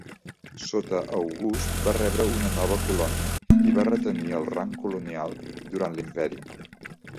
Sota August va rebre una nova colònia i va retenir el rang colonial durant l'imperi.